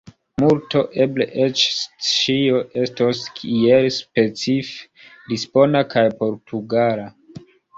Multo, eble eĉ ĉio, estos iel specife lisbona kaj portugala.